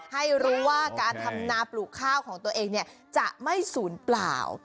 ให้รู้ว่าการทำนาปลูกข้าวของตัวเองจะไม่ศูนย์เปล่า